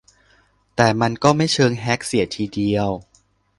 แต่มันก็ไม่เชิงแฮ็กเสียทีเดียว